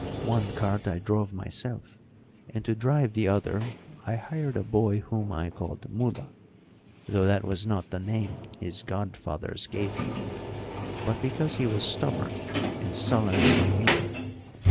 One cart I drove myself, and to drive the other I hired a boy whom I called Mula, though that was not the name his godfathers gave him, but because he was stubborn and sullen as a mule.